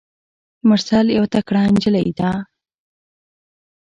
مرسل یوه تکړه نجلۍ ده.